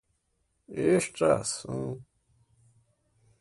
extração